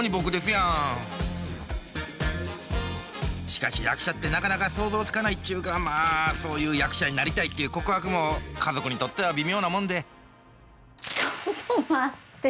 しかし役者ってなかなか想像つかないっちゅうかまあそういう役者になりたいっていう告白も家族にとっては微妙なもんでちょっと待って。